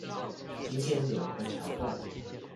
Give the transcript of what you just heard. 今天有一個橋段